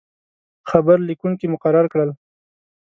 خبر لیکونکي مقرر کړل.